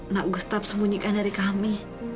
nak gustab sembunyikan dari kami